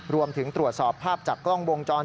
รวมถึงตรวจสอบภาพจากกล้องวงจร